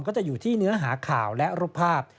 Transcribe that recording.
ก็จะอยู่ที่เนื้อหาข่าวและรูปภาพ